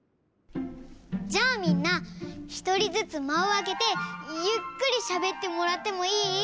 じゃあみんなひとりずつまをあけてゆっくりしゃべってもらってもいい？